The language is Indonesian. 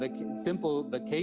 pernikahan yang sederhana